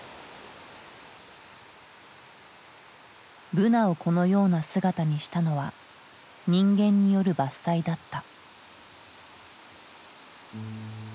ブナをこのような姿にしたのは人間による伐採だった。